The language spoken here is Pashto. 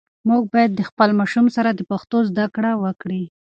مور باید د خپل ماشوم سره د پښتو زده کړه وکړي.